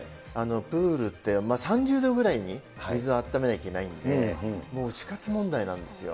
プールって、３０度ぐらいに水、あっためなきゃいけないんで、もう死活問題なんですよ。